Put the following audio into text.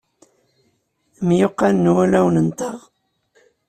Myuqqanen wulawen-nteɣ.